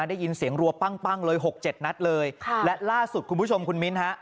ได้ยินเสียงรัวปั้งเลย๖๗นัทเลยและล่าสุดคุณผู้ชมคุณมินทร์ฮะ